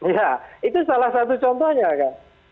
ya itu salah satu contohnya kan